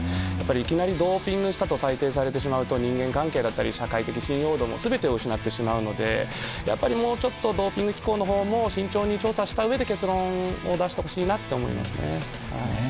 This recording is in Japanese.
いきなりドーピングしたとされてしまうと人間関係だったり社会的信用度など全てを失ってしまうのでもうちょっとドーピング機構も慎重に調査したうえで結論を出してほしいなと思いますね。